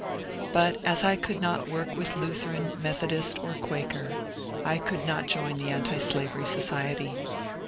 But as I could not work with Lutheran, Methodist, or Quaker, I could not join the Antislavery Society.